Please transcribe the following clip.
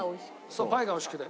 そうパイが美味しくて。